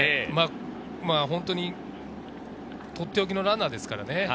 本当にとっておきのランナーですからね。